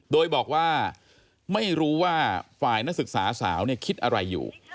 โดยบอกว่าไม่รู้ว่าฝ่ายนักศึกษาสาวคิดอะไรอยู่